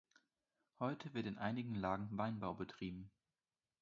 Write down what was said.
Heute wird in einigen Lagen Weinbau betrieben.